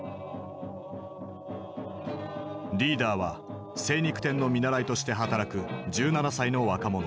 リーダーは精肉店の見習いとして働く１７歳の若者